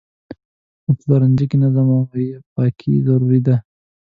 په پلورنځي کې نظم او پاکي ضروري ده.